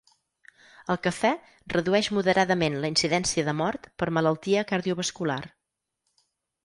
El cafè redueix moderadament la incidència de mort per malaltia cardiovascular.